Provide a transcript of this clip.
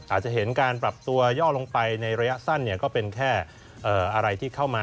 อาจจะเห็นการปรับตัวย่อลงไปในระยะสั้นก็เป็นแค่อะไรที่เข้ามา